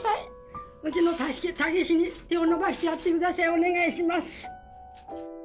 お願いします！